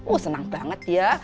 oh senang banget ya